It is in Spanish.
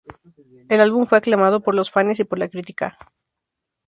El álbum fue aclamado por los fanes y por la crítica.